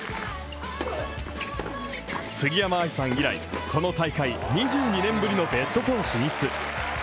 杉山愛さん以来この大会２２年ぶりのベスト４進出。